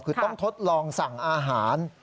คือต้องทดลองสั่งอาหาร